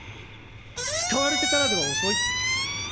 使われてからでは遅い。